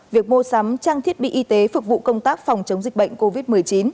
việc mua sắm trang thiết bị y tế phục vụ công tác phòng chống dịch bệnh covid một mươi chín